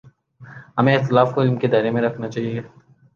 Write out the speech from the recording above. ہمیں اختلاف کو علم ہی کے دائرے میں رکھنا چاہیے۔